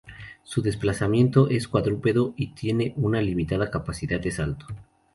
Su desplazamiento es cuadrúpedo, y tienen una limitada capacidad de salto.